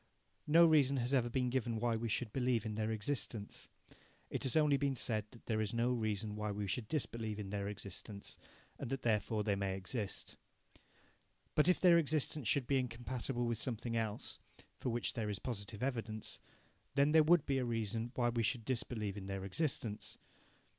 No reason has ever been given why we should believe in their existence. It has only been said that there is no reason why we should disbelieve in their existence, and that therefore they may exist. But if their existence should be incompatible with something else, for which there is positive evidence, then there would be a reason why we should disbelieve in their existence.